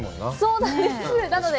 そうなんです。